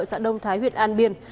xã đông thái huyện an biên